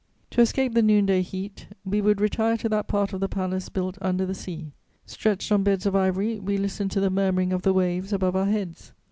"To escape the noonday heat, we would retire to that part of the palace built under the sea. Stretched on beds of ivory, we listened to the murmuring of the waves above our heads.